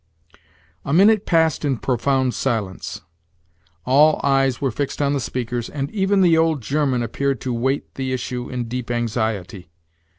A minute passed in profound silence. All eyes were fixed on the speakers, and even the old German appeared to wait the issue in deep anxiety.